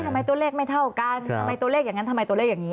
ทำไมตัวเลขไม่เท่ากันทำไมตัวเลขอย่างนั้นทำไมตัวเลขอย่างนี้